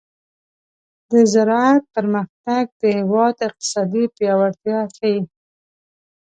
د زراعت پرمختګ د هېواد اقتصادي پیاوړتیا ښيي.